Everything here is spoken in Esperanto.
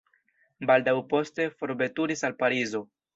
Baldaŭ poste forveturis al Parizo.